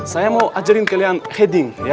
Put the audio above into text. saya mau ajarin kalian heading